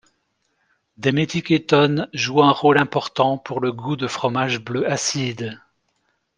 Des méthykétones jouent un rôle important pour le goût de fromages bleus acides.